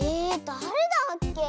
だれだっけ？